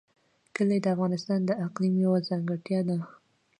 کلي د افغانستان د اقلیم یوه ځانګړتیا ده.